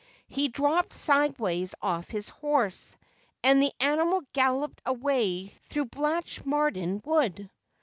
He dropped sideways off his horse, and the animal galloped away through Blatchmardean Wood.